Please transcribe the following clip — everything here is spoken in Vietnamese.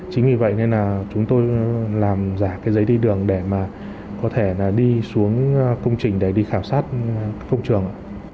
chính vì vậy nên là chúng tôi làm giả cái giấy đi đường để mà có thể là đi xuống công trình để đi khảo sát công trường